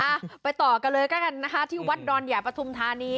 อ่าไปต่อกันเลยนะคะที่วัดดรใหญ่ปทุมธานี